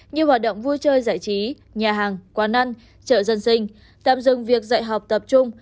như hoạt động vui chơi giải trí nhà hàng quán ăn chợ dân sinh tạm dừng việc dạy học tập trung